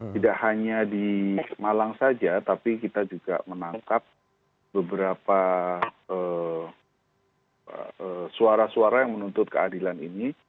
tidak hanya di malang saja tapi kita juga menangkap beberapa suara suara yang menuntut keadilan ini